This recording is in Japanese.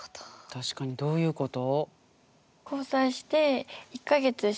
確かにどういうこと？